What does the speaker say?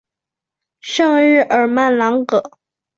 圣日尔曼朗戈。